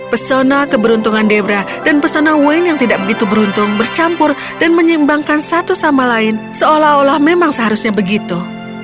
pesona keberuntungan debra dan pesona wayne yang tidak begitu beruntung bercampur dan menyeimbangkan satu sama lain seolah olah memang seharusnya begitu